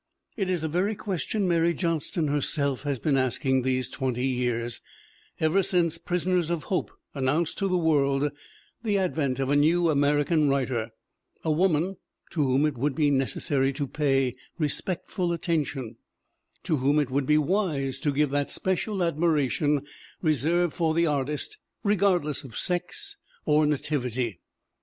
It is the very question Mary Johnston herself has been asking these twenty years, ever since Prisoners of Hope announced to the world the advent of a new American writer, a woman, to whom it would be nec essary to pay respectful attention, to whom it would be wise to give that special admiration reserved for the artist regardless of sex or nativity.